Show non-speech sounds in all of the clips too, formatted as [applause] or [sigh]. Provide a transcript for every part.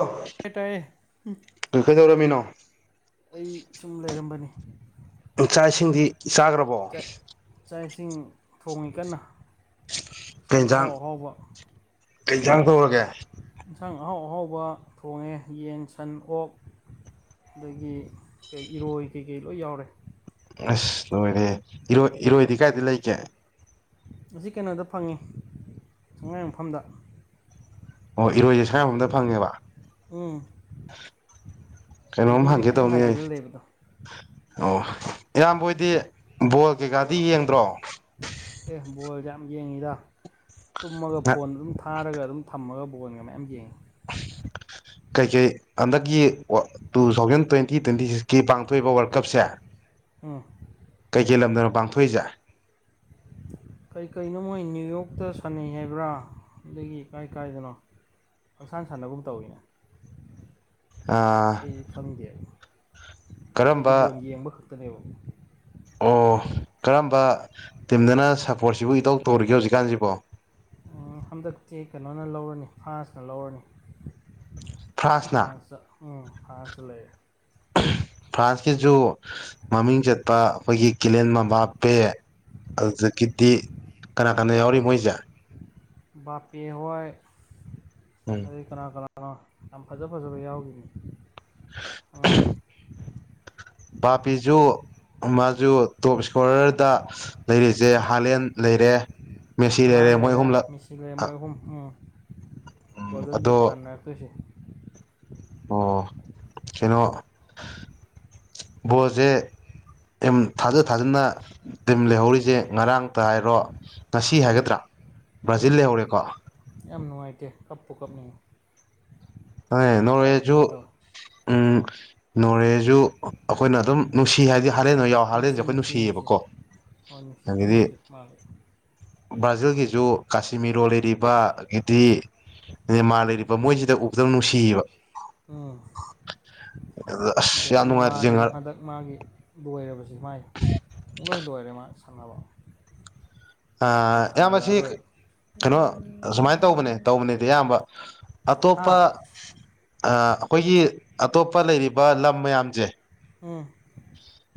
hello ꯇꯥꯏ ꯇꯥꯏꯌꯦ ꯀꯪ ꯀꯩꯗꯧꯔꯝꯃꯤꯅꯣ ꯑꯩ ꯁꯨꯝ ꯂꯩꯔꯝꯕꯅꯤ ꯏꯆꯥ ꯏꯁꯤꯡꯗꯤ ꯆꯥꯈ꯭ꯔꯕꯣ ꯆꯥꯛ ꯆꯥꯛ ꯏꯁꯤꯡ ꯊꯣꯡꯉꯤ ꯀꯟꯅ ꯌꯦꯛꯁꯥꯡ ꯑꯍꯥꯎ ꯑꯍꯥꯎꯕ ꯀꯩꯁꯪ ꯁꯒꯦ ꯌꯦꯟꯁꯥꯡ ꯑꯍꯥꯎ ꯑꯍꯥꯎꯕ ꯊꯣꯡꯉꯦ ꯌꯦꯟ ꯁꯟ ꯑꯣꯛ ꯑꯗꯒꯤ ꯀꯩ ꯏꯔꯣꯏ ꯀꯩꯀꯩ ꯂꯣꯏ ꯌꯥꯎꯔꯦ ꯑꯁ ꯂꯣꯏꯔꯦ ꯏꯔꯣꯏ ꯏꯔꯣꯏꯗꯤ ꯀꯥꯏꯗꯤ ꯂꯩꯒꯦ ꯑꯁꯤ ꯀꯩꯅꯣꯗ ꯐꯪꯉꯤ ꯑꯉꯥꯡ ꯃꯐꯝꯗ ꯑꯣ ꯏꯔꯣꯏꯁꯦ ꯁꯉꯥꯏꯣꯝꯗ ꯐꯪꯉꯦꯕ ꯀꯩꯅꯣꯝ ꯃꯥꯡꯖꯤꯡꯗ ꯍꯪꯒꯦ ꯈꯤꯇꯪ ꯇꯧꯅꯤ ꯍꯥꯏꯖꯤꯜꯂꯒ ꯂꯩꯕꯗꯣ ꯑꯣ ꯏꯌꯥꯝꯕꯣꯏꯗꯤ ꯕꯣꯜ ꯀꯩꯀꯥꯗꯤ ꯌꯦꯡꯗ꯭ꯔꯣ ꯑꯦ ꯕꯣꯜꯁꯦ ꯌꯥꯝ ꯌꯦꯡꯉꯤꯗ ꯇꯨꯝꯃꯒ ꯐꯣꯟ ꯑꯗꯨꯝ ꯊꯥꯔꯒ ꯑꯗꯨꯝ ꯊꯝꯃꯒ ꯐꯨꯒꯣꯟꯒ ꯃꯌꯥꯝ ꯌꯦꯡꯉꯤ ꯀꯩꯀꯩ ꯍꯟꯗꯛꯀꯤ ꯇꯨ ꯊꯥꯎꯖꯟ ꯇ꯭ꯋꯦꯟꯇꯤ ꯇ꯭ꯋꯦꯟꯇꯤ ꯁꯤꯛꯁꯀꯤ ꯄꯥꯡꯊꯣꯛꯏꯕ ꯋꯥꯔꯜ ꯀꯞꯁꯦ ꯑꯥ ꯀꯩꯀꯦꯜ ꯂꯝꯗꯅ ꯄꯥꯡꯊꯣꯛꯏꯁꯦ ꯀꯩꯀꯩꯅꯣ ꯃꯣꯏ ꯅ꯭ꯌꯨ ꯌꯣꯔꯇ ꯁꯥꯟꯅꯩ ꯍꯥꯏꯕ꯭ꯔꯥ ꯑꯗꯒꯤ ꯀꯥꯏ ꯀꯥꯏꯗꯅꯣ ꯍꯪꯁꯥꯡ ꯁꯥꯟꯅꯒꯨꯝ ꯇꯧꯋꯤꯅꯦ ꯑ ꯑꯩ ꯈꯪꯗꯦ ꯀꯔꯝꯕ ꯑꯩꯗꯤ ꯕꯣꯟ ꯌꯦꯡꯕ ꯈꯛꯇꯅꯦꯕ ꯑꯣ ꯀꯔꯝꯕ ꯇꯤꯝꯗꯅ ꯁꯞꯄꯣꯔꯠꯁꯤꯕꯨ ꯏꯇꯧ ꯇꯧꯔꯤꯒꯦ ꯍꯧꯖꯤꯛꯀꯥꯟꯁꯤꯕꯣ ꯍꯟꯗꯛꯇꯤ ꯀꯩꯅꯣꯅ ꯂꯧꯔꯅꯤ ꯐ꯭ꯔꯥꯟꯁꯅ ꯂꯧꯔꯅꯤ ꯐ꯭ꯔꯥꯟꯁꯅ ꯐ꯭ꯔꯥꯟꯁꯇ ꯎꯝ ꯐ꯭ꯔꯥꯟꯁ ꯂꯩꯔꯦ ꯐ꯭ꯔꯥꯟꯁꯀꯤꯁꯨ ꯃꯃꯤꯡ ꯆꯠꯄ ꯑꯩꯈꯣꯏꯒꯤ ꯀꯤꯂꯦꯟ ꯃꯕꯥꯞꯄꯦ ꯑꯗꯨꯗꯒꯤꯗꯤ ꯀꯅꯥ ꯀꯅꯥ ꯌꯥꯎꯔꯤ ꯃꯣꯏꯁꯦ ꯕꯥꯞꯄꯦ ꯍꯣꯏ ꯎꯝ ꯑꯗꯩ ꯀꯅꯥ ꯀꯅꯥ ꯑ ꯌꯥꯝ ꯐꯖ ꯐꯖꯕ ꯌꯥꯎꯈꯤꯕꯅꯤ ꯑꯉꯥꯡ ꯕꯥꯞꯄꯦꯁꯨ ꯃꯥꯜ ꯨ ꯇꯣꯞ ꯏꯁꯀꯣꯔꫪꯗ ꯂꯩꯔꯤꯁꯦ ꯍꯥꯂꯦꯟ ꯂꯩꯔꯦ ꯃꯦꯁꯤ ꯍꯂꯥꯟ ꯃꯣꯏ ꯂꯩꯔꯦ ꯑꯍꯨꯝꯂꯛ ꯃꯦꯁꯤ ꯂꯩꯔꯦ ꯃꯣꯏ ꯑꯍꯨꯝ ꯎꯝ ꯒꯣꯜꯗꯟ ꯕꯨꯠ ꯑꯗꯣ ꯇꯥꯟꯅꯔꯛꯇꯣꯏꯁꯤ ꯑꯣ ꯀꯩꯅꯣ ꯕꫭꯜꯁꯦ ꯇꯤꯝ ꯊꯥꯖ ꯊꯥꯖꯅ ꯇꯤꯝ ꯂꯩꯍꯧꯔꯤꯁꯦ ꯉꯔꯥꯡꯇ ꯍꯥꯏꯔꯣ ꯉꯁꯤ ꯎꯝ ꯍꯥꯏꯒꯗ꯭ꯔꯥ ꯕ꯭ꯔꯥꯖꯤꯜ ꯂꯩꯍꯧꯔꯦꯀꯣ ꯇꯦ ꯀꯞꯄꯨ ꯀꯞꯅꯤꯡꯉꯤ ꯍꫭꯏ ꯄꯤ ꯅꯣꫪꯋꯦꯁꯨ ꯇꯥꯔꯛꯈꯤꯕ ꯇꯧꯋꯦ ꯎꯝ ꯅꯣꫪꯋꯦꯖꯨ ꯑꯩꯈꯣꯏꯅ ꯑꯗꯨꯝ ꯅꯨꯡꯁꯤ ꯍꯥꯏꯗꯤ ꯍꯥꯂꯦꯟꯍꫭꯏ ꯌꯥꯎ ꯍꯥꯂꯦꯟꯁꯦ ꯑꯩꯈꯣꯏ ꯅꯨꯡꯁꯤꯌꯦꯕꯀꯣ ꯍꫭꯏ ꯅꯨꯡꯁꯤ ꯌꯥꯝ ꯑꯗꯒꯤꯗꯤ ꯅꯨꯡꯁꯤ ꯃꯥꯗꯤ ꯕ꯭ꯔꯥꯖꯤꯜꯒꯤꯁꯨ ꯀꯁꯤꯃꯤꯔꯣ ꯂꯩꯔꯤꯕ ꯑꯩꯒꯤꯗꯤ ꯅꯦꯃꯥꫪ ꯂꯩꯔꯤꯕ ꯃꯣꯏꯁꯤꯗ ꯎ ꯕꯗ ꯅꯨꯡꯁꯤꯌꯦꯕ ꯎꯝ ꯑꯗ ꯑꯁ ꯌꯥꯝ ꯅꯨꯡꯉꯥꯏꯔꯤꯁꯦ ꯅꯦꯃꯥꫪꯒꯤꯅ ꯉꯔꯥꯡ ꯍꯟꯗꯛ ꯃꯥꯒꯤ ꯂꯣꯏꯔꯕꯁꯤ ꯃꯥꯏ ꯄꯨꯡ ꯂꯣꯏ ꯂꯣꯏꯔꯦ ꯃꯥ ꯁꯥꯟꯅꯕ ꯑ ꯃꯥ ꯏꯌꯥꯝꯕꯁꯤ ꯁꯥꯟꯅꯔꯛꯑꯔꯣꯏ ꯀꯩꯅꯣ ꯁꯨꯃꯥꯏꯅ ꯇꯧꯕꯅꯦ ꯇꯧꯕꯅꯦꯗꯤ ꯑꯌꯥꯝꯕ ꯑꯇꯣꯞꯄ ꯍꯥ ꯑ ꯑꯩꯈꯣꯏꯒꯤ ꯑ ꯑꯇꯣꯞꯄ ꯂꯩꯔꯤꯕ ꯂꯝ ꯃꯌꯥꯝꯁꯦ ꯎꯝ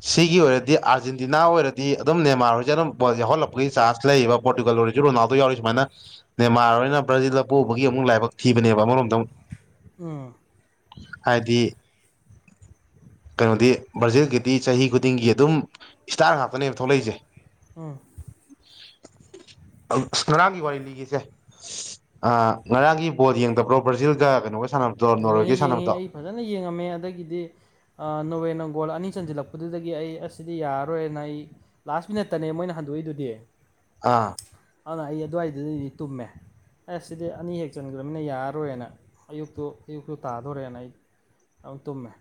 ꯁꯤꯒꯤ ꯑꯣꯏꯔꯗꯤ ꯑꯥꯔꯖꯦꯟꯇꯤꯅꯥ ꯑꯣꯏꯔꯗꯤ ꯁꯤꯒꯤ ꯑꫭꯏꯔꯗꯤ ꯑꯥꫪꯖꯦꯟꯇꯤꯅ ꯑꫭꯏꯔꯗꯤ ꯑꯗꯨꯝ ꯅꯦꯃꯥꫪ ꯍꯣꯏꯁꯦ ꯑꯗꯨꯝ ꯕꫭꯜ ꯌꯥꯎꯍꯜꯂꯛꯄꯒꯤ ꯆꯥꯟꯁ ꯂꯩꯌꯦꯕ ꯄꯣꫪꯇꯨꯒꯜ ꯑꯣꯏꯔꯁꯨ ꯔꯣꯅꯥꯜꯗꯣ ꯌꯥꯎꯔꯤ ꯁꯨꯥꯏꯅ ꯅꯦꯃꯥꫪꯍꫭꯏꯅ ꯕ꯭ꯔꯥꯖꯤꯜꯗ ꯄꫭꯛꯎꯕꯒꯤ ꯑꯃꯨꯛ ꯂꯥꯏꯕꯛ ꯊꯤꯕꯅꯦꯕ ꯑꯃꯔꯣꯝꯗ ꯑꯃꯨꯛ ꯎꯝ ꯍꯥꯏꯗꯤ ꯀꯩꯅꯣꯗꯤ ꯕ꯭ꯔꯥꯖꯤꯜꯒꯤꯗꯤ ꯆꯍꯤ ꯈꯨꯗꯤꯡꯒꯤ ꯑꯗꯨꯝ ꯏꯁꯇꯥꫪ ꯉꯥꯛꯇꯅꯦꯕ ꯊꯣꯛꯂꯛꯏꯁꯦ ꯎꯝ ꯑꯁ ꯉꯔꯥꯡꯒꯤ ꯋꯥꯔꯤ ꯂꯤꯒꯦꯁꯦ ꯑ ꯉꯔꯥꯡꯒꯤ ꯕꯣꯜ ꯌꯦꯡꯗꯕ꯭ꯔꯣ ꯕ꯭ꯔꯥꯖꯤꯜꯒ ꯀꯩꯅꯣꯒ ꯁꯥꯟꯅꯕꯗꯣ ꯌꯦꯡꯉꯤ ꯅꯣꯔꯋꯦꯒ ꯌꯦꯡꯉꯤ ꯁꯥꯟꯅꯕꯗꯣ ꯑꯩ ꯐꯖꯅ ꯌꯦꯡꯉꯝꯃꯦ ꯑꯗꯒꯤꯗꯤ ꯅꯣꫪꯋꯦꯅ ꯕꯣꯜ ꯑꯅꯤ ꯆꯟꯁꯤꯜꯂꯛꯄꯗꯨꯗꯒꯤ ꯑꯩ ꯑꯁꯤꯗꯤ ꯌꯥꯔꯔꯣꯏꯅ ꯑꯩ ꯂꯥꯁ ꯃꯤꯅꯠꯇꯅꯦ ꯃꯣꯏꯅ ꯍꯟꯗꯣꯛꯏꯗꯨꯗꯤ ꯑꯥ ꯑꯗꯨꯅ ꯑꯩ ꯑꯗꯨꯋꯥꯏꯗꯨꯗꯗꯤ ꯇꯨꯝꯃꯦ ꯑꯦ ꯁꯤꯗꯤ ꯑꯅꯤ ꯍꯦꯛ ꯆꯟꯈ꯭ꯔꯅꯤꯅ ꯌꯥꯔꯔꯣꯏꯅ ꯑꯌꯨꯛꯇꯨ ꯑꯌꯨꯛꯁꯨ ꯇꯥꯗꯣꯔꯦꯅ ꯑꯩ ꯑꯗꯨꯝ ꯇꯨꯝꯃꯦ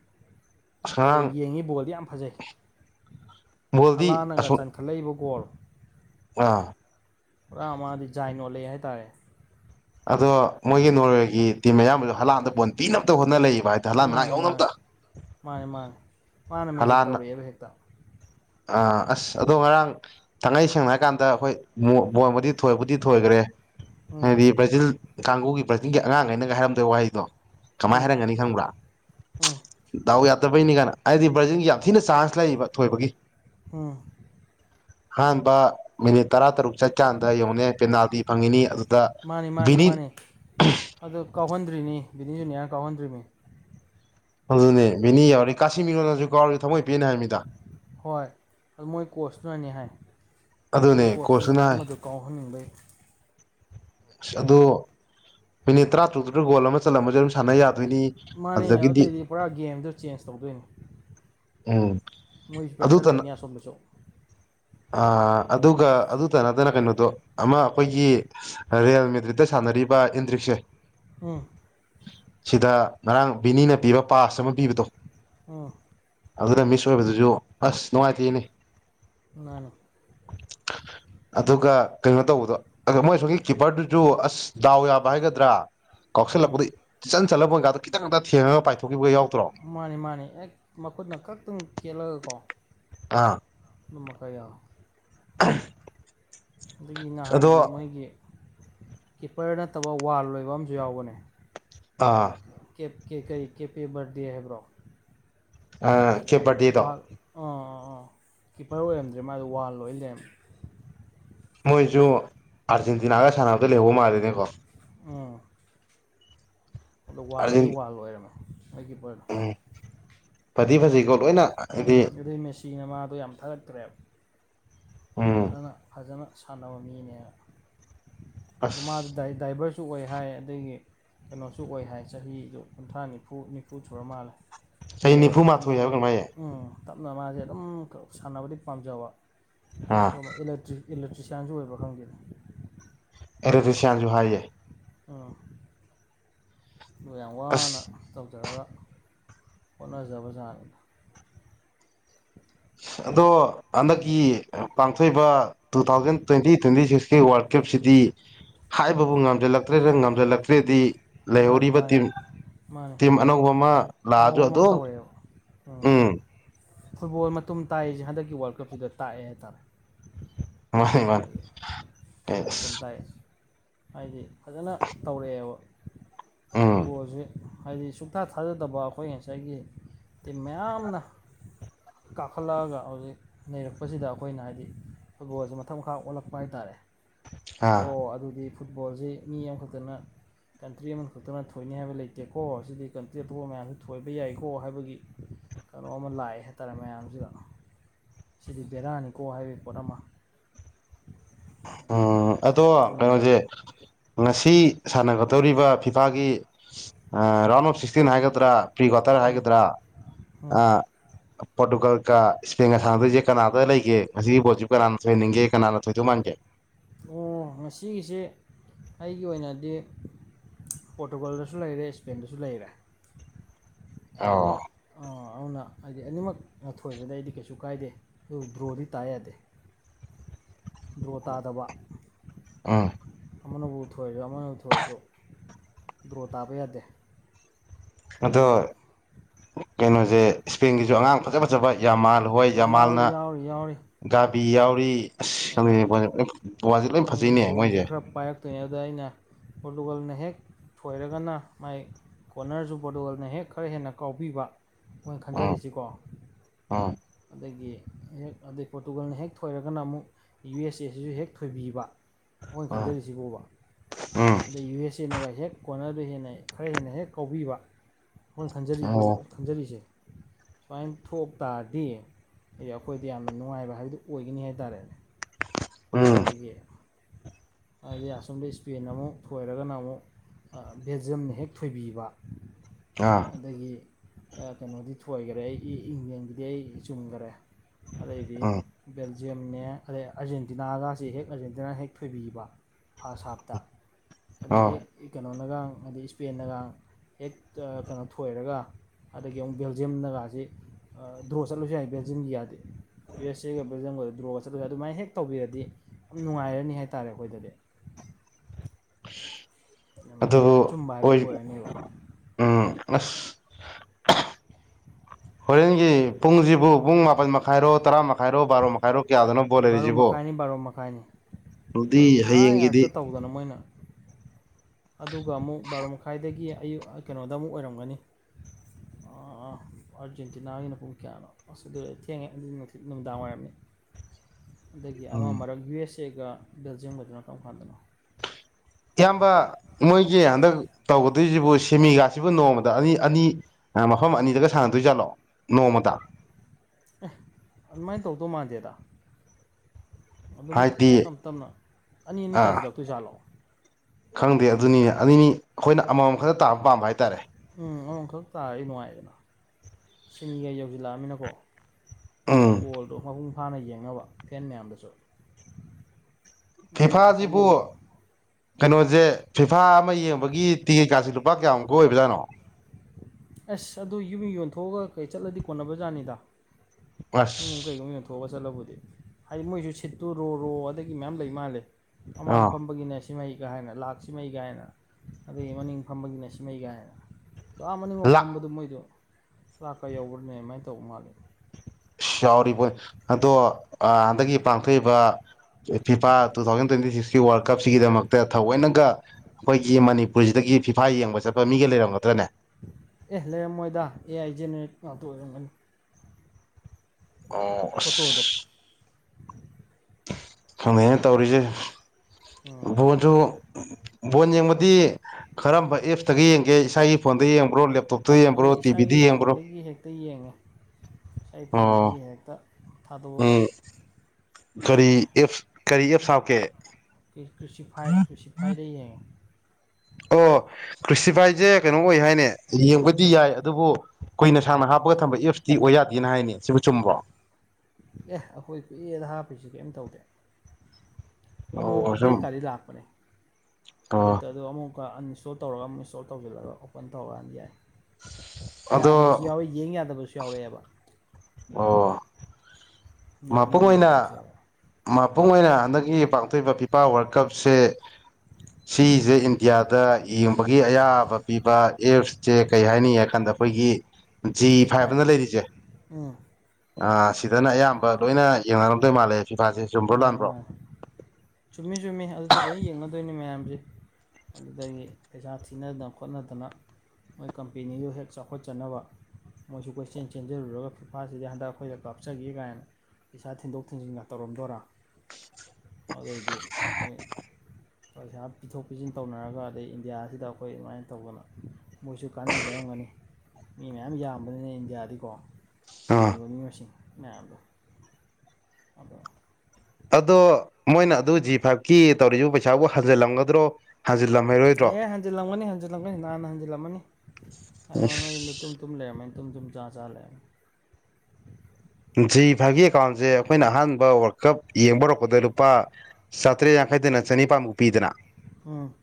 ꯑꯁ ꯑꯗꯣ ꯉꯔꯥꯡ ꯌꯦꯡꯉꯤ ꯕꯣꯜꯗꯤ ꯌꯥꯝ ꯐꯖꯩ ꯕꯣꯜꯗꯤ ꯍꯂꯥꯟꯅꯒ ꯑꯁꯨꯛ ꯆꯟꯈꯠꯂꯛꯏꯕ ꯒꯣꯜ ꯑꯥ ꯄꯨꯔꯥ ꯃꯥꯗꯤ ꯖꯥꯏꯟ ꯑꯣꯜꯂꯛꯦ ꯍꯥꯏꯇꯥꯔꯦ ꯑꯗꯣ ꯃꯣꯏꯒꯤ ꯅꯣꯔꯋꯦꯒꯤ ꯇꯤꯝ ꯑꯌꯥꯝꯕꯁꯨ ꯍꯜꯂꯥꯟꯗ ꯕꯣꯜ ꯄꯤꯅꯕꯇ ꯍꯣꯠꯅ ꯂꯩꯌꯦꯕ ꯍꯥꯏꯗꯤ ꯍꯂꯥꯟ ꯃꯅꯥꯛ ꯃꯥꯅꯦ ꯃꯥꯅꯦ ꯌꯧꯅꯕꯇ ꯃꯥꯅꯦ ꯃꯥꯅꯤ ꯃꯥꯅ ꯃꯦꯖꯤꯛ ꯇꯧꯔꯛꯑꯦꯕ ꯍꯦꯛꯇ ꯑ ꯑꯁ ꯑꯗꯣ ꯉꯔꯥꯡ ꯊꯥꯡꯉꯩ ꯁꯦꯡꯅ ꯍꯥꯏꯀꯥꯟꯗ ꯑꯩꯈꯣꯏ ꯃꯣ ꯕꫭꯟꯕꯨꯗꯤ ꯊꯣꯏꯕꯨꯗꯤ ꯊꯣꯏꯈ꯭ꯔꯦ ꯎꯝ ꯍꯥꯏꯗꯤ ꯕ꯭ꯔꯥꯖꯤꯜ ꯀꯥꯡꯕꯨꯒꯤ ꯕ꯭ꯔꯥꯖꯤꯜꯒꯤ ꯑꯉꯥꯡꯈꯩꯅꯒ ꯍꯥꯏꯔꯝꯗꯣꯏ ꯋꯥꯍꯩꯗꯣ ꯀꯃꯥꯏ ꯎꯝ ꯍꯥꯏꯔꯝꯒꯅꯤ ꯈꯪꯕ꯭ꯔ ꯎꯝ ꯗꯥꯎ ꯌꯥꯗꯕꯩꯅꯤ ꯀꯥꯏꯅ ꯍꯥꯏꯗꯤ ꯕ꯭ꯔꯥꯖꯤꯟꯒꯤ ꯌꯥꯝ ꯊꯤꯅ ꯆꯥꯟꯁ ꯂꯩꯌꯦꯕ ꯊꯣꯏꯕꯒꯤ ꯎꯝ ꯑꯍꯥꯟꯕ ꯃꯤꯅꯤꯠ ꯇꯔꯥ ꯇꯔꯨꯛ ꯆꯠꯀꯥꯟꯗ ꯌꯦꯡꯉꯨꯅꯦ ꯄꯦꯅꯥꯜꯇꯤ ꯐꯪꯉꯤꯅꯤ ꯑꯗꯨꯗ ꯃꯥꯅꯤ ꯃꯥꯅꯤ ꯕꯤꯅꯤ ꯃꯥꯅꯤ ꯑꯗꯨ ꯀꯥꯎꯍꯟꯗ꯭ꯔꯤꯅꯤ ꯕꯤꯅꯤꯁꯨꯨꯅꯤꯌꯥ ꯀꯥꯎꯍꯟꯗ꯭ꯔꯤꯅꯤ ꯑꯗꯨꯅꯦ ꯕꯤꯅꯤ ꯌꯥꯎꯔꯤ ꯀꯥꯁꯤꯃꯤꯔꫭꯜꯂꯖꯨ ꯀꯥꯎꯔꯤ ꯊꯃꯣꯏ ꯄꯦꯟꯅꯦ ꯍꯥꯏꯕꯅꯤꯗꯥ ꯍꯣꯏ ꯑꯗꯨ ꯃꯣꯏ ꯀꯣꯁꯇꯨꯅꯅꯤ ꯍꯥꯏ ꯃꯣꯏ ꯑꯗꯨꯅꯦ ꯀꯣꯁꯇꯨꯅ ꯀꯣꯆꯇꯨꯅ ꯍꯥꯏ ꯑꯃꯗ ꯀꯥꯎꯍꯟꯅꯤꯡꯕꯩ ꯑꯁ ꯑꯗꯨ ꯃꯤꯅꯤꯠ ꯇꯔꯥꯇꯔꯨꯛꯇꯨꯗ ꯒꯣꯜ ꯑꯃ ꯆꯠꯂꯝꯕꯖꯦ ꯑꯗꯨꯝ ꯁꯥꯟꯅ ꯌꯥ ꯃꯥꯅꯦ ꯑꯗꯨꯏꯗꯤ ꯄꯨꯔꯥ ꯒꯦꯝꯗꯨ ꯆꯦꯟꯁ ꯇꯧꯗꯣꯏꯅꯤ ꯎꯝ ꯃꯣꯏ ꯄꯔꯦꯁ꯭ꯔ ꯑꯗꯨꯇ ꯂꯩꯅꯤ ꯑꯁꯣꯝꯗꯖꯨ ꯑ ꯑꯗꯨꯒ ꯑꯗꯨꯇ ꯅꯠꯇꯅ ꯀꯩꯅꯣꯗꯣ ꯑꯃ ꯑꯩꯈꯣꯏꯒꯤ ꯔꯤꯌꯦꯜꯃꯦꯗ꯭ꯔꯤꯠꯇ ꯥꯅꯔꯤꯕ ꯑꯦꯟꯗ꯭ꯔꯤꯛꯁꯦ ꯎꯝ ꯁꯤꯗ ꯉꯔꯥꯡ ꯕꯤꯅꯤꯅ ꯄꯤꯕ ꯄꯥꯁ ꯑꯃ ꯄꯤꯕꯗꯣ ꯑ ꯑꯗꯨꯗ ꯃꯤꯁ ꯑꯣꯏꯕꯗꯨꯖꯨ ꯑꯁ ꯅꯨꯡꯉꯥꯏꯇꯦꯅꯦ ꯃꯥꯅꯤ ꯑꯗꯨꯒ ꯀꯩꯅꯣ ꯇꯧꯕꯗꯣ ꯑ ꯃꯣꯏ ꯁꯣꯝꯒꯤ ꯀꯤꯞꯄꯔꯗꯨꯖꯨ ꯑꯁ ꯗꯥꯎ ꯌꯥꯕ ꯍꯥꯏꯒꯗ꯭ꯔꯥ ꯎꯝ ꯀꯥꯎꯁꯤꯜꯂꯛꯄꯗ ꯏ ꯆꯟ ꯆꯜꯂ ꯕꫭꯜꯒꯗꫭ ꯈꯤꯇꯪꯗ ꯊꯦꯡꯉꯒ ꯄꯥꯏꯊꯣꯛꯈꯤꯕ ꯌꯥꯎ ꯃꯥꯅꯤ ꯃꯥꯅꯤ ꯑꯦꯛ ꯃꯈꯨꯠꯅ ꯈꯛꯇꯪ ꯈꯦꯠꯂꯒꯀꯣ ꯑꯥ ꯑꯗꯨꯝꯕ ꯈꯔ ꯌꯥꯎ [inaudible] ꯑꯗꯨꯒꯤ ꯑꯗꯣ ꯅꯍꯥꯟꯒꯤ ꯃꯣꯏꯒꯤ ꯀꯤꯞꯄꯔ ꯅꯠꯇꯕ ꯋꯥꯜ ꯂꯣꯏꯕ ꯑꯃꯖꯨ ꯌꯥꯎꯕꯅꯦ ꯑ ꯀꯦꯞ ꯀꯦꯀꯩ ꯀꯦꯞꯄꯦ ꯕꯔꯗꯦ ꯍꯥꯏꯕ꯭ꯔꯣ ꯑ ꯀꯦꯞꯕꯔꯗꯦꯗꫭ ꯋꯥꯜ ꯑꯥ ꯑꯥ ꯑꯥ ꯀꯤꯞꯄꯔ ꯑꯣꯏꯔꯝꯗ꯭ꯔꯦ ꯃꯥꯗꯣ ꯋꯥꯜ ꯑꫭꯏ ꯂꯩꯔꯝꯃꯦ ꯃꯣꯏꯖꯨ ꯑꯥꯔꯖꯦꯟꯇꯤꯅꯥꯒ ꯁꯥꯟꯅꯕꯗ ꯂꯩꯍꯧꯕ ꯃꯥꯜꯂꯤꯦꯅꯦꯀꯣ ꯑꯣꯥ ꯑꯗꯣ ꯑꯥꯔꯖꯦꯟ ꯋꯥꯜꯗꯤ ꯋꯥꯜ ꯑꯣꯏꯔꯝꯃꯦ ꯑꯩ ꯀꯤꯄꯔꯗꫭ ꯎꯝ ꯐꯗꯤ ꯐꯖꯩꯀꯣ ꯑꯗꯨꯏ ꯂꯣꯏꯅ ꯍꯥꯏꯗꯤ ꯎꯝ ꯑꯗꯨꯏ ꯃꯦꯆꯤꯅ ꯃꯥꯗꯣ ꯌꯥꯝ ꯊꯥꯒꯠꯇ꯭ꯔꯦꯕ ꯎꯝ ꯑꯗꯨꯅ ꯐꯖꯅ ꯁꯥꯟꯅꯕ ꯃꯤꯅꯦ ꯑꯗꯨ ꯃꯥꯗꯨ‌ ꯑꯁ ꯊꯥꯏ ꯗꯥꯏꯕꯔꯖꯨ ꯁꯨ ꯑꯣꯏ ꯍꯥꯏ ꯑꯗꯒꯤ ꯀꯩꯅꯣꯁꯨ ꯑꯣꯏ ꯍꯥꯏ ꯆꯍꯤꯗꯨ ꯀꯨꯟꯊ꯭ꯔꯥ ꯅꯤꯐꯨ ꯅꯤꯐꯨ ꯁꯨꯔ ꯃꯥꯜꯂꯦ ꯆꯍꯤ ꯑꯗꯨ ꯅꯤꯐꯨ ꯇꯞꯅ ꯃꯥꯊꯣꯏ ꯍꯥꯏꯕ ꯑꯃꯨꯛ ꯀꯩꯅꯣꯝ ꯍꯥꯏꯌꯦ ꯎꯝ ꯇꯞꯅ ꯃꯥꯁꯦ ꯑꯗꯨꯝ ꯁꯥꯟꯅꯕꯗꯤ ꯄꯥꯝꯖꯕ ꯑꯥ ꯑꯗꯨꯒ ꯏꯂꯦꯇꯔꯤ ꯏꯂꯦꯇ꯭ꯔꯤꯁꯤꯌꯥꯟꯖꯨ‌ ꯑꯣꯏꯕ ꯈꯪꯗꯦꯗ ꯑꯦꯂꯤꯇꯤꯁꯤꯌꯥꯟꯖꯨ ꯍꯥꯏꯌꯦ ꯑꯥ ꯑꯗꯨ ꯌꯥꯝ ꯑꯁ ꯋꯥꯅ ꯇꯧꯖꯔꯒ ꯍꫭꯠꯅꯖꯕ ꯖꯥꯠꯅꯤꯗ ꯑꯗꯣ ꯍꯟꯗꯛꯀꯤ ꯄꯥꯡꯊꯣꯛꯏꯕ ꯇꯨ ꯊꯥꯎꯖꯟ ꯇ꯭ꯨꯋꯦꯟꯇꯤ ꯇ꯭ꯨꯋꯦꯟꯇꯤ ꯁꯤꯛꯁꯀꯤ ꯋꯥꯔꯜ ꯀꯞꯁꯤꯗꯤ ꯗꯤ ꯍꯥꯏꯕꯕꯨ ꯎꯝ ꯉꯝꯖꯤꯜꯂꯛꯇ꯭ꯔꯥꯦꯗ ꯉꯝꯖꯤꯜꯂꯛꯇ꯭ꯔꯦꯗꯤ ꯃꯥꯅꯤ ꯂꯩꯍꯧꯔꯤꯕ ꯃꯥꯅꯤ ꯇꯤꯝ ꯃꯥꯅꯤ ꯇꯤꯝ ꯑꯅꯧꯕꯃ ꯂꯥꯛꯑꯖꯨ ꯑꯗꯨꯝ ꯑꯣ ꯎꯝ ꯐꯨꯠꯕꯣꯜ ꯃꯇꯨꯝ ꯇꯥꯏꯌꯦꯖꯦ ꯍꯟꯗꯛꯀꯤ ꯋꯥꯔꯜ ꯀꯞꯁꯤꯗ ꯇꯥꯛꯑꯦ ꯍꯥꯏꯇꯥꯔꯦ ꯃꯥꯅꯤ ꯃꯥꯅꯤ ꯍꯥꯏꯗꯤ ꯐꯨꯠꯕꯣꯜ ꯃꯇꯨꯝ ꯇꯥꯛꯑꯦ ꯍꯥꯏꯗꯤ ꯐꯖꯅ ꯇꯧꯔꯛꯑꯦꯕ ꯎꯝ ꯐꯨꯠꯕꯣꯜꯖꯦ ꯍꯥꯏꯗꯤ ꯁꯨꯡꯊꯥ ꯊꯥꯖꯗꯕ ꯑꯩꯈꯣꯏ ꯉꯁꯥꯏꯒꯤ ꯇꯤꯝ ꯃꯌꯥꯝꯅ ꯀꯥꯈꯠꯂꯛꯑꯒ ꯍꯧꯖꯤꯛ ꯅꯩꯔꯛꯄꯖꯤꯗ ꯑꯈꯣꯏꯅ ꯍꯥꯏꯗꯤ ꯐꯨꯠꯕꫭꯜꯖꯤꯃ ꯃꯊꯛ ꯃꯈꯥ ꯑꯣꯜꯂꯛꯄ ꯍꯥꯏꯇꯥꯔꯦ ꯑꯥ ꯑꯣ ꯑꯗꯨꯗꯤ ꯐꯨꯠꯕꯣꯜꯖꯤ ꯃꯤ ꯑꯃꯈꯛꯇꯅ ꯀꯟꯇ꯭ꯔꯤ ꯑꯃ ꯈꯛꯇꯅ ꯊꯣꯏꯅꯤ ꯍꯥꯏꯕ ꯂꯩꯇꯦꯀꯣ ꯑꯁꯤꯖꯤꯗꯤ ꯀꯟꯇ꯭ꯔꯤ ꯑꯇꯣꯞꯄ ꯃꯌꯥꯝꯁꯤ ꯊꯣꯏꯕ ꯌꯥꯏꯀꯣ ꯍꯥꯏꯕꯒꯤ ꯀꯩꯅꯣꯝꯃ ꯂꯥꯛꯑꯦ ꯍꯥꯏꯇꯥꯔꯦ ꯃꯌꯥꯝꯖꯤꯗ ꯁꯤꯗꯤ ꯕꯦꯔꯥꯅꯤꯀꯣ ꯍꯥꯏꯕꯒꯤ ꯄꯣꯠ ꯑꯃ ꯎꯝ ꯑꯗꯣ ꯑꯗꯨꯝꯕ ꯀꯩꯅꯣꯁꯦ ꯉꯁꯤ ꯁꯥꯟꯅꯒꯗꯧꯔꯤꯕ ꯐꯤꯐꯥꯒꯤ ꯑꯥ ꯔꯥꯎꯟ ꯑꯣꯐ ꯁꯤꯛꯁꯇꯤꯟ ꯍꯥꯏꯒꯗ꯭ꯔꯥ ꯄ꯭ꯔꯤ ꯀꯋꯇꯥꯔ ꯎꯝ ꯍꯥꯏꯒꯗ꯭ꯔꯥ ꯎꯝ ꯑꯥ ꯄꯣꯔꯇꯨꯒꯜꯒ ꯏꯁꯄꯦꯟꯒ ꯁꯥꯟꯅꯗꯣꯏꯁꯦ ꯀꯅꯥꯗ ꯂꯩꯒꯦ ꯉꯁꯤꯒꯤ ꯕꫭꯜꯁꯤꯕꯨ ꯀꯅꯥꯅ ꯊꯣꯏꯍꯟꯅꯤꯡꯒꯦ ꯀꯅꯥꯅ ꯊ ꯗꫭꯏꯃꯥꯟꯒ‌ꯦ ꯑꯣ ꯉꯁꯤꯒꯤꯁꯤ ꯑꯩꯒꯤ ꯑꯣꯏꯅꯗꯤ ꯄꯣꯔꯇꯨꯒꯥꯜꯗꯁꯨ ꯂꯩꯔꯦ ꯏꯁꯄꯦꯟꯗꯁꯨ ꯂꯩꯔꯦ ꯍꯥꯏꯗꯤ ꯑꯣ ꯑꯥ ꯑꯗꯨꯅ ꯍꯥꯏꯗꯤ ꯑꯅꯤꯃꯛꯅꯊꯣꯏꯕꯗ ꯑꯩꯗꯤ ꯀꯩꯁꯨ ꯀꯥꯏꯗꯦ ꯑꯗꯨꯕꯨ ꯗ꯭ꯔꯣꯗꯤ ꯇꯥ ꯌꯥꯗꯦ ꯗ꯭ꯔꯣꯇꯥꯥꯗꯕ ꯎꯝ ꯑꯃꯅꯕꯨ ꯊꯣꯏꯔꯁꯨ ꯑꯃꯅꯕꯨ ꯊꯣꯏꯔꯁꯨ ꯗ꯭ꯔꯣ ꯇꯥꯕ ꯌꯥꯗꯦ ꯑꯩ ꯑꯗꯣ ꯍꯥꯏꯗꯤ ꯀꯩꯅꯣꯁꯦ ꯏꯁ꯭ꯄꯦꯟꯒꯤꯁꯨ ꯑꯉꯥꯡ ꯐꯖ ꯐꯖꯕ ꯌꯥꯝꯃꯥꯜ ꯍꯣꯏ ꯌꯥꯎꯔꯤ ꯌꯥꯝꯃꯥꯜꯅ ꯌꯥꯎꯔꯤ ꯌꯥꯎꯔꯤ ꯄꯤ ꯌꯥꯎꯔꯤ ꯑꯁ ꯈꯪꯗ ꯂꯣꯏ ꯋꯥꯖꯤꯠ [unintelligible] ꯂꯣꯏ ꯃꯣꯏ ꯐꯖꯩꯅꯦ ꯕꯣꯟꯁꯦ ꯃꯣꯏꯁꯦ ꯈꯔ ꯄꯥꯏꯔꯛꯇꯣꯏꯅꯦ ꯑꯗꯨꯗ ꯑꯩꯅ ꯄꯣꯔꯇꯨꯒꯜꯅ ꯍꯦꯛ ꯊꯣꯏꯔꯒꯅ ꯃꯥꯏ ꯀꯣꯅꯔꯁꯨ ꯄꫭꯔꯇꯨꯒꯜꯅ ꯍꯦꯛ ꯈꯔ ꯍꯦꯟꯅ ꯀꯥꯎꯕꯤꯕ ꯃꯣꯏ ꯎꯝ ꯈꯟꯖꯔꯤꯁꯤꯀꯣ ꯎꯝ ꯑꯗꯒꯤ ꯍꯦꯛ ꯑꯗꯩ ꯄꯣꯔꯇꯨꯒꯜꯅ ꯍꯦꯛ ꯊꯣꯏꯔꯒꯅ ꯑꯃꯨꯛ ꯌꯨ ꯑꯦꯁ ꯑꯦ ꯁꯤꯁꯨ ꯍꯦꯛ ꯊꯣꯏꯕꯤꯕ ꯑꯩꯈꯣꯏꯅ ꯎꯝ ꯈꯟꯖꯔꯤꯁꯤꯕꯣꯕ ꯎꯝ ꯑꯗꯩ ꯌꯨ ꯑꯦꯁ ꯑꯦꯅꯒ ꯍꯦꯛ ꯀꯣꯟꯅꯔꯗꫭ ꯍꯦꯟꯅ ꯈꯔ ꯍꯦꯟꯅ ꯍꯦꯛ ꯀꯥꯎꯕꯤꯕ ꯑꯩꯈꯣꯏꯅ ꯈꯟꯖꯔꯤꯕꫭ ꯑꯣ ꯈꯟꯖꯔꯤꯁꯦ ꯁꯨꯃꯥꯏꯅ ꯊꯣꯛ ꯇꯥ ꯔꯩꯗꯤ ꯑꯩꯗꯤ ꯑꯩꯈꯣꯏꯗ ꯌꯥꯝꯅ ꯅꯨꯡꯉꯥꯏꯕ ꯍꯥꯏꯕꯗꯨ ꯑꯣꯏꯒꯅꯤ ꯍꯥꯏꯇꯥꯔꯦ ꯎꯝ ꯑꯗꯒꯤ ꯍꯥꯏꯗꯤ ꯑꯁꯣꯝꯗ ꯏꯁꯄꯤꯟ ꯑꯃꯨꯛ ꯊꯣꯏꯔꯒꯅ ꯑꯃꯨꯛ ꯕꯦꯜꯖꯌꯝ ꯅ ꯍꯦꯛ ꯊꯣꯏꯕꯤꯕ ꯑꯥ ꯑꯗꯒꯤ ꯀꯩꯅꯣꯗꯤ ꯊꯣꯏꯈꯔꯦ ꯑꯩ ꯏꯪꯖꯦꯟꯒꯤꯗꯤ ꯑꯩ ꯆꯨꯝꯈꯔꯦ ꯑꯗꯩꯗꯤ ꯎꯝ ꯕꯦꯜꯖꯤꯌꯝꯅꯦ ꯑꯗꯩ ꯑꯥꯔꯖꯦꯟꯇ ꯗꯤꯅꯥꯒꯥꯁꯤ ꯍꯦꯛ ꯑꯔꯖꯦꯟꯇꯤꯅꯥꯅ ꯍꯦꯛ ꯊꯣꯏꯕꯤꯕ ꯐꯥꯔꯁ ꯍꯥꯞꯇ ꯑꯗꯩ ꯑꯣ ꯍꯦꯛ ꯀꯩꯅꯣꯅꯒ ꯑꯗꯩ ꯏꯁꯄꯦꯟꯅꯒ ꯍꯦꯛ ꯀꯩꯅꯣ ꯊꯣꯏꯔꯒ ꯑꯗꯒꯤ ꯑꯃꯨꯛ ꯕꯦꯜꯖꯤꯌꯝ ꯅꯒꯥꯁꯤ ꯗ꯭ꯔꯣ ꯆꯠꯂꯁꯨ ꯌꯥꯏ ꯕꯦꯜꯖꯤꯌꯝꯒꯤ ꯒꯥꯗꯤ ꯌꯨ ꯑꯁ ꯑ‌ꯦꯒ ꯕ‌ꯦꯜꯖꯝꯒꯗꫭ ꯗ꯭ꯔꯣꯒ ꯆꯠꯒ ꯑꯗꯨꯥꯏ ꯍꯦꯛ ꯇꯧꯕꯤꯔꯗꯤ ꯌꯥꯝ ꯅꯨꯡꯉꯥꯏꯔꯅꯤ ꯍꯥꯏꯇꯥꯔꯦ ꯑꯩꯈꯣꯏꯗꯗꯤ [unintelligible] ꯌꯥꯝꯅꯥ ꯑꯗꯨꯕꯨ ꯑꯆꯨꯝꯕ ꯍꯥꯏꯕꯗꯨ ꯑꯣꯏ ꯑꯣꯏꯔꯅꯦꯕ ꯎꯝ ꯑꯁ ꯍꯣꯔꯦꯟꯒꯤ ꯄꯨꯡꯁꯤꯕꯨ ꯄꯨꯡ ꯃꯥꯄꯜ ꯃꯈꯥꯏꯔꯣ ꯇꯔꯥ ꯃꯈꯥꯏꯔꯣ ꯕꯥꯔꯣ ꯃꯈꯥꯏꯔꯣ ꯀꯌꯥꯗꯅꯣ ꯕꯣꯜ ꯕꯥꯔꯣ ꯂꯩꯔꯤꯁꯤꯕꯣ ꯃꯈꯥꯏꯅꯤ ꯕꯥꯔꯣ ꯃꯈꯥꯏꯅꯤ ꯑꯗꯨꯗꯤ ꯕꯥꯔꯣ ꯃꯈꯥꯏ ꯍꯌꯦꯡꯒꯤꯗꯤ ꯉꯥꯛꯇ ꯇꯧꯗꯅ ꯃꯣꯏꯅ [inaudible] ꯑꯗꯨꯒ ꯑꯃꯨꯛ ꯕꯥꯔꯣ ꯃꯈꯥꯏꯗꯒꯤ ꯑꯌꯨꯛ ꯀꯩꯅꯣꯗ ꯑꯃꯨꯛ ꯑꯣꯏꯔꯝꯒꯅꯤ ꯑꯥ ꯑꯥ ꯑꯔꯖꯦꯟꯇꯤꯅꯥꯒꯤꯅ ꯄꯨꯡ ꯀꯌꯥꯅꯣ ꯑꯁ ꯑꯗꯨꯔꯗꯤ ꯊ‌ꯦꯡꯉꯦ ꯑꯗꯨꯗꯤ ꯅꯨꯡꯊꯤꯟ ꯅꯨꯃꯤꯗꯥꯡ ꯋꯥꯏꯔꯝꯅꯤ ꯑꯗꯒꯤ ꯑꯃ ꯎꯝ ꯃꯔꯛ ꯌꯨ ꯑꯦꯁ ꯑꯦꯒ ꯕꯦꯜꯖꯤꯌꯝꯒꯗꯨꯅ ꯀꯝ ꯀꯥꯟꯗꯅꯣ ꯏꯌꯥꯝꯕ ꯃꯣꯏꯒꯤ ꯍꯟꯗꯛ ꯇꯧꯒꯗꯣꯏꯁꯤꯕꯨ ꯁꯤꯃꯤꯒꯥꯠꯁꯤꯕꯨ ꯅꯣꯡꯃꯗ ꯑꯅꯤ ꯑꯅꯤ ꯑ ꯃꯐꯝ ꯑꯅꯤꯗꯒ ꯁꯥꯟꯅꯗꯣꯏꯖꯥꯠꯂꯣ ꯅꯣꯡꯃꯗ ꯑꯦ ꯑꯗꯨꯃꯥꯏꯅ ꯇꯧꯗꯧ ꯃꯥꯟꯗꯦꯗ ꯑꯗꯨꯝ ꯍꯥꯏꯗꯤ ꯇꯞ ꯇꯞꯅ ꯑꯅꯤ ꯑꯅꯤ ꯑꯥ ꯇꯥꯁꯤꯜꯂꯛꯇꯣꯏꯖꯥꯠꯂꫭ ꯈꯪꯗꯦ ꯑꯗꯨꯅꯤꯅꯦ ꯑꯅꯤꯅꯤ ꯑꯩꯈꯣꯏꯅ ꯑꯃꯃꯝ ꯈꯛꯇ ꯇꯥꯕ ꯄꯥꯝꯕ ꯍꯥꯏꯇꯥꯔꯦ ꯎꯝ ꯑꯃꯃꯝꯈꯛ ꯇꯥꯔꯗꯤ ꯅꯨꯡꯉꯥꯏꯗꯅ ꯁꯤꯃꯤꯒ ꯌꯧꯁꯤꯜꯂꯛꯑꯃꯤꯅꯀꯣ ꯎꯝ ꯕꯣꯜꯗꯣ ꯃꯄꯨꯡ ꯐꯥꯅ ꯌꯦꯡꯅꯕ ꯐꯦꯟ ꯃꯌꯥꯝꯗꯁꯨ ꯕꯣꯜ ꯑꯁꯣꯝꯒꯤ ꯐꯤꯐꯥꯁꯤꯕꯨ ꯑꯃꯨꯛ ꯀꯩꯅꯣꯁꯦ ꯐꯤꯐꯥ ꯑꯃ ꯌꯦꯡꯕꯒꯤ ꯇꯦꯛ ꯀꯀꯥꯁꯤ ꯄꯥ ꯀꯌꯥꯃꯨꯛꯀ ꯑꯣꯏꯕꯖꯥꯠꯅꯣ ꯑꯁ ꯑꯗꯨ ꯌꯨꯝ ꯌꯣꯟꯊꯣꯛꯑꯒ ꯀꯩ ꯆꯠꯂꯗꯤ ꯀꯣꯟꯅꯕ ꯖꯥꯠꯅꯤꯗ ꯏꯨꯡꯒꯨꯝ ꯑꯁ ꯀꯩꯒꯨꯝ ꯃꯤ ꯑꯣꯏꯅ ꯊꯣꯛꯑꯒ ꯆꯠꯂꯕꯨꯗꯤ ꯍꯥꯏꯗꯤ ꯃꯣꯏꯁꯨ ꯁꯤꯠꯇꯨꯔꯣꯣꯔꯣ ꯑꯗꯒꯤ ꯃꯌꯥꯝ ꯂꯩ ꯃꯥꯜꯂꯦ ꯑꯃꯥꯡ ꯑꯥ ꯐꯝꯕꯒꯤꯅꯦ ꯁꯤ ꯁꯤꯃꯩ ꯀꯥꯏꯅ ꯂꯥꯛ ꯁꯤꯃꯩ ꯀꯥꯏꯅ ꯑꯗꯒꯤ ꯃꯅꯤꯡ ꯐꯝꯕꯒꯤꯅ ꯁꯤꯃꯩ ꯀꯥꯏꯅ ꯂꯥ ꯑꯅꯤꯉꯣ ꯂꯥꯛ ꯐꯝꯕꯗꯨ ꯃꯣꯏꯗꯣ ꯂꯥꯛ ꯀ ꯌꯧꯕ꯭ꯔꯅꯦ ꯑꯗꯨꯃꯥꯏꯅ ꯇꯧꯕ ꯃꯥꯜꯂꯤ ꯌꯥꯎꯔꯤꯕ ꯑꯗꯣ ꯍꯟꯗꯛꯀꯤ ꯄꯥꯡꯊꯣꯛꯏꯕ ꯐꯤꯐꯥ ꯇꯨ ꯊꯥꯎꯖꯟ ꯇ꯭ꯋꯦꯟꯇꯤ ꯁꯤꯛꯁꯀꯤ ꯋꯥꯔꯜ ꯀꯞꯁꯤꯒꯤꯗꯃꯛꯇ ꯊꯑꯣꯏꯅꯒ ꯑꯩꯈꯣꯏꯒꯤ ꯃꯅꯤꯄꯨꯔꯁꯤꯗꯒꯤ ꯒꯤ ꯐꯤꯐꯥ ꯌꯦꯡꯕ ꯆꯠꯄ ꯃꯤꯒ ꯂꯩꯔꯝꯒꯗ꯭ꯔꯅꯦ ꯑꯦ ꯂꯩꯔꯝꯃꯣꯏꯗ ꯑꯦ ꯑꯥꯏ ꯖꯦꯅꯦꯔꯦꯠ ꯉꯥꯛꯇ ꯑꯣꯏꯔꯝꯒꯅꯤ ꯑꯣ ꯐꯣꯇꯣꯗꯣ ꯈꯪꯉꯅ ꯇꯧꯔꯤꯁꯦ ꯎꯝ ꯕꯣꯠꯁꯨ ꯕꯣꯟ ꯌꯦꯡꯕꯗꯤ ꯀꯔꯝꯕ ꯑꯦꯞꯁꯇꯒ ꯌꯦꯡꯒꯦ ꯏꯁꯥꯒꯤ ꯐꯣꯟꯗ ꯌꯦꯡꯕ꯭ꯔꯣ ꯂꯦꯞ ꯑꯦ ꯏꯁꯥꯒꯤ ꯐꯣꯟꯗꯒꯤ ꯍꯦꯛꯇ ꯌꯦꯡꯉꯦ ꯏꯁꯥꯒꯤ ꯑꯣ ꯐꯣꯟꯗꯒꯤ ꯍꯦꯛꯇ ꯊꯥꯗꯣꯛꯑꯒ ꯎꯝ ꯀꯔꯤ ꯑꯦꯞ ꯀꯔꯤ ꯑꯦꯞꯁ ꯍꯥꯥꯞꯀꯦ ꯀ꯭ꯔꯤꯁꯤꯐꯥꯏ ꯀ꯭ꯔꯤꯁꯤꯐꯥꯏꯗ ꯌꯦꯉꯦ ꯑꯣ ꯈ꯭ꯔꯤꯁꯇꯤꯐꯥꯏꯁꯦ ꯀꯩꯅꯣ ꯑꯣꯏ ꯍꯥꯏꯅꯦ ꯌꯦꯡꯕꯗꯤ ꯌꯥꯏ ꯑꯗꯨꯕꯨ ꯀꯨꯏꯅ ꯁꯥꯡꯅ ꯍꯥꯞꯄꯒ ꯊꯝꯕ ꯑꯦꯞꯁꯇꯤ ꯑꯣꯏ ꯌꯥꯗꯦꯅ ꯍꯥꯏꯅꯤ ꯁꯤꯕꯨ ꯆꯨꯝꯕ꯭ꯔꯣ ꯑꯦ ꯑꯩꯈꯣꯏ ꯀꯨꯏꯗ ꯍꯥꯞꯄꯤꯁꯤ ꯀꯩꯝ ꯇꯧꯗꯦ ꯑꯃꯨꯛ ꯑꯣ ꯁꯨꯝ ꯑꯞꯗꯦꯠ ꯀꯥꯔꯤ ꯂꯥꯛꯄꯅꯦ ꯑꯞꯗꯦꯗ ꯑꯣ ꯇꯧꯗ ꯑꯃꯨꯛ ꯑꯩꯈꯣꯏꯟꯁꯇꯣꯜꯧꯒ ꯑꯃꯨ ꯏꯟꯁꯣꯜ ꯇꯧꯁꯤꯜꯂꯒ ꯑꯣꯄꯟꯧꯔꯀꯥꯟ ꯌꯥꯏ ꯑꯗꯣ ꯌꯥꯗꯕꯁꯨ ꯌꯥꯎꯋꯦ ꯌꯦꯡ ꯌꯥꯗꯕꯁꯨ ꯌꯥꯎꯔꯛꯑꯦꯕ ꯑꯣ ꯑꯗ ꯑꯗꯨꯝ ꯃꯄꯨꯡ ꯑꯣꯏꯅ ꯌꯦꯡꯕꯁꯨ ꯌꯥꯎꯋꯦ ꯃꯄꯨꯡ ꯑꯣꯏꯅ ꯍꯟꯗꯛꯀꯤ ꯄꯥꯡꯊꯣꯛꯏꯕ ꯐꯤꯐꯥ ꯋꯥꯔꯜ ꯀꯞꯁꯦ ꯁꯤꯁꯦ ꯏꯟꯗꯤꯌꯥꯗ ꯌꯦꯡꯕꯒꯤ ꯑꯌꯥꯕ ꯄꯤꯕ ꯑꯦꯞꯁꯁꯦ ꯀꯩ ꯍꯥꯏꯅꯤ ꯍꯥꯏ ꯈꯟꯗ ꯑꯩꯈꯣꯏꯒꯤ ꯖꯤ ꯐꯥꯏꯕꯅ ꯂꯩꯔꯤꯁꯦ ꯎꯝ ꯁꯤꯗꯅ ꯑꯌꯥꯝꯕ ꯂꯣꯏꯅ ꯏꯅꯥꯅꯝꯗ ꯃꯥꯂꯦ ꯃꯥꯅꯦ ꯃꯥꯅꯦ ꯆꯨꯝꯃꯤ ꯆꯨꯝꯃꯤ ꯑꯗꯨꯗ ꯂꯣꯏ ꯌꯦꯡꯅꯗꯣꯏꯅꯤ ꯃꯌꯥꯝ ꯍꯧꯖꯤꯛ ꯑꯗꯨꯗꯒꯤ ꯄꯩꯁꯥ ꯊꯤꯅꯗꯅ ꯈꯣꯠꯅꯗꯅ ꯃꯣꯏ ꯀꯝꯄꯦꯅꯤꯗꯨ ꯍꯦꯛ ꯆꯥꯎꯈꯠꯆꯅꯕ ꯃꯣꯏꯁꯨ ꯀꯣꯏꯆꯦꯟ ꯆꯦꯟꯖꯔꯨꯔꯒ ꯐꯤ ꯐꯥꯁꯤꯗꯤ ꯍꯟꯗꯛ ꯑꯩꯈꯣꯏꯗ ꯀꯥꯞꯆꯒꯦ ꯀꯥꯏꯅ ꯏꯁꯥ ꯊꯤꯟꯗꯣꯛ ꯊꯤꯟꯖꯤꯟꯒ ꯇꯧꯔꯝꯗꯣꯏꯔꯥ ꯑꯗꯨꯗꯩꯗꯤ ꯃꯣꯏ ꯄꯩꯁꯥ ꯄꯤꯊꯣꯛ ꯄꯤꯁꯤꯟ ꯇꯧꯅꯔꯒ ꯑꯗꯩ ꯏꯟꯗꯤꯌꯥꯁꯤꯗ ꯑꯩꯈꯣꯏ ꯑꯗꯨꯃꯥꯏꯅ ꯇꯧꯗꯅ ꯃꯣꯏꯁꯨ ꯀꯥꯟꯅꯖ ꯐꯪꯒꯅꯤ ꯃꯤ ꯃꯌꯥꯝ ꯌꯥꯝꯕꯅꯤꯅ ꯑꯩꯅ ꯌꯥꯗꯤꯀꯣ ꯑꯥ ꯏꯉꯅꯤ ꯃꯁꯤꯟ ꯑꯗꯣ ꯑꯗꯣ ꯑꯗꯣ ꯃꯣꯏꯅ ꯑꯗꯨ ꯖꯤ ꯐꯥꯏꯚꯀꯤ ꯇꯧꯔꯤꯁꯤ ꯄꯩꯁꯥꯕꯨ ꯍꯟꯖꯤꯜꯂꯝꯒꯗ꯭ꯔꯣ ꯍꯟꯖꯤꯜꯂꯝꯃꯔꯣꯏꯗ꯭ꯔꯣ ꯑꯦ ꯍꯟꯖꯤꯜꯂꯝꯒꯅꯤ ꯍꯟꯖꯤꯜꯂꯝꯒꯅꯤ ꯅꯍꯥꯟꯟꯅ ꯍꯟꯖꯤꯜꯂꯝꯃꯅꯤ ꯑ ꯃ ꯃꯌꯨꯝꯗ ꯇꯨꯝ ꯇꯨꯝ ꯂꯩꯔꯝꯃ ꯇꯨꯝ ꯇꯨꯝ ꯆꯥ ꯆꯥ ꯂꯩꯝꯃꯦ ꯖꯤ ꯐꯥꯏꯚꯒꯤ ꯑꯦꯀꯥꯎꯟꯁꯦ ꯑꯩꯈꯣꯏꯅ ꯑꯍꯥꯟꯕ ꯋꯥꯔꯜ ꯀꯞ ꯌꯦꯡꯕ ꯍꯧꯔꯛꯄꯗ ꯂꯨꯄꯥ ꯆꯥꯇ꯭ꯔꯦꯠ ꯌꯥꯡꯈꯩꯗ ꯆꯅꯤ ꯄꯄꯥꯝ ꯄꯤꯗꯅ ꯑꯝ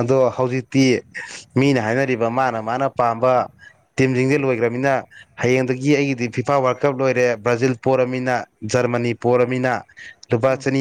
ꯑꯗꯣ ꯍꯧꯖꯤꯛꯇꯤ ꯃꯤꯅ ꯍꯥꯏꯅꯔꯤꯕ ꯃꯥꯅ ꯃꯥꯅ ꯄꯥꯝꯕ ꯇꯤꯝꯁꯤꯡꯁ ꯂꯣꯏꯈ꯭ꯔꯅꯤꯅ ꯍꯌꯦꯡꯗꯒꯤ ꯑꯩꯒꯤꯗꯤ ꯐꯤꯐꯥꯔ ꯀꯞ ꯂꯣꯏꯔꯦ ꯕ꯭ꯔꯥꯖꯤꯜ ꯄꯣꯔꯃꯤꯅ ꯖꯔꯃꯅꯤ ꯄꯣꯔꯃꯤꯅ ꯂꯨꯄꯥ ꯎꯝ ꯆꯅꯤ